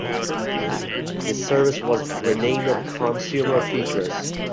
This service was renamed Consumer Futures.